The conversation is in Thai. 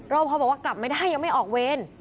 พอบอกว่ากลับไม่ได้ยังไม่ออกเวร